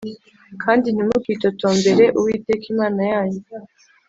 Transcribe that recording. Kandi ntimukitotombere uwiteka Imana yanyu